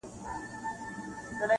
کلي نوې څېره خپلوي ورو,